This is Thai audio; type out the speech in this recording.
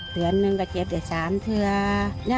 ๑เดือนเก็บ๓เดือน